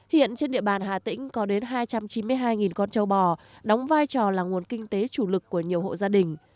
hiện trên địa bàn hà tĩnh có đến hai trăm chín mươi hai con châu bò đóng vai trò là nguồn kinh tế chủ lực của nhiều hộ gia đình